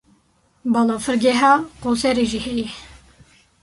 Balafirgeha Qoserê jî heye.